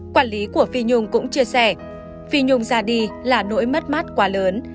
quản lý của phi nhung cũng chia sẻ phi nhung ra đi là nỗi mất mát quá lớn